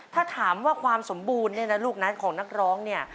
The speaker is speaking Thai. ถ้าถามว่าความสมบูรณ์เนี่ยนะลูกนั้นของนักร้องเนี่ย